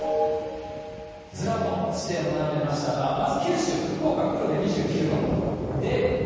ずらっと地点を並べましたが、まず九州、福岡・久留米、２９度。